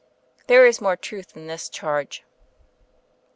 There is more truth in this charge."